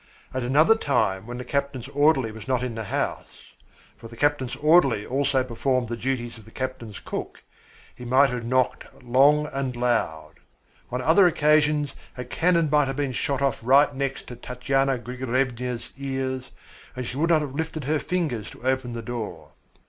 At another time when the captain's orderly was not in the house for the captain's orderly also performed the duties of the captain's cook he might have knocked long and loud. On other occasions a cannon might have been shot off right next to Tatyana Grigoryevna's ears and she would not have lifted her fingers to open the door.